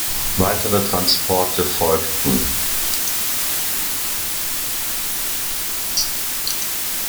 Weitere Transporte folgten.